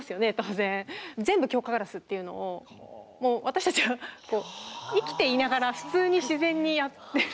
全部強化ガラスっていうのをもう私たちはこう生きていながら普通に自然にやってる。